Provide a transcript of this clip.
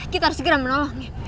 kita harus segera menolongnya